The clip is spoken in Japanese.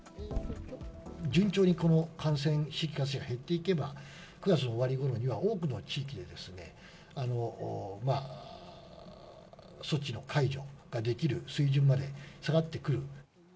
順調にこの感染、新規感染が減っていけば、９月の終わりごろには多くの地域で、措置の解除ができる水準まで下がってくる。